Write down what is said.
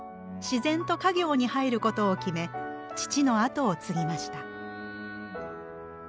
自然と家業に入ることを決め父の後を継ぎました。